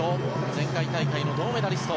前回大会の銅メダリスト。